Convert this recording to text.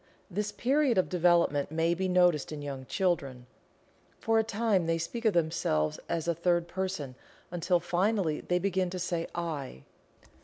This period of development may be noticed in young children. For a time they speak of themselves as a third person, until finally they begin to say "I."